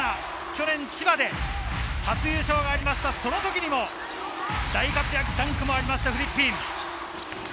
去年、千葉で初優勝がありました、その時にも大活躍、ダンクもありました、フリッピン。